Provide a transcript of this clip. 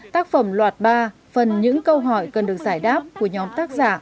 tác phẩm loạt ba phần những câu hỏi cần được giải đáp của nhóm tác giả